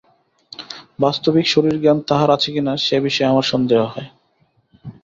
বাস্তবিক শরীর-জ্ঞান তাঁহার আছে কিনা, সে বিষয়ে আমার সন্দেহ হয়।